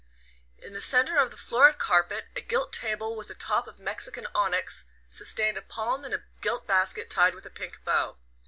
In the centre of the florid carpet a gilt table with a top of Mexican onyx sustained a palm in a gilt basket tied with a pink bow.